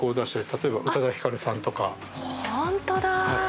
例えば宇多田ヒカルさんとか、本当だ。